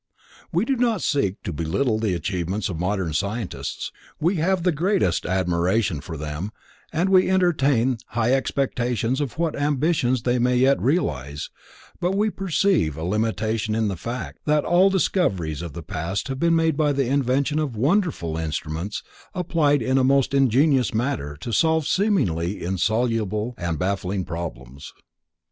We do not seek to belittle the achievements of modern scientists, we have the greatest admiration for them and we entertain high expectations of what ambitions they may yet realize, but we perceive a limitation in the fact, that all discoveries of the past have been made by the invention of wonderful instruments applied in a most ingenious manner to solve seemingly insoluble and baffling problems.